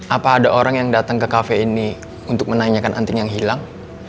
apa ada orang yang datang ke kafe ini untuk menanyakan anting yang hilang